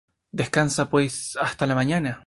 Descansa pues hasta la mañana.